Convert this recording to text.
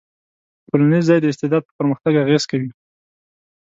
ټولنیز ځای د استعداد په پرمختګ اغېز کوي.